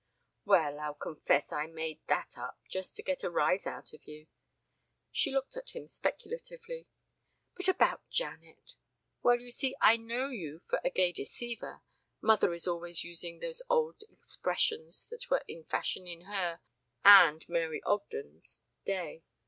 "Well, I'll confess I made that up just to get a rise out of you." She looked at him speculatively. "But about Janet well, you see, I know you for a gay deceiver mother is always using those old expressions that were the fashion in her and Mary Ogden's day.